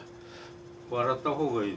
笑った方がいい？